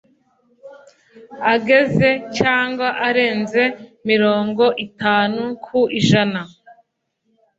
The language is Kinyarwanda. ageze cyangwa arenze mirongo itanu ku ijana